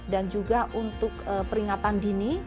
dan juga untuk peringatan dini